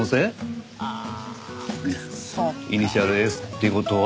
イニシャルＳっていう事は。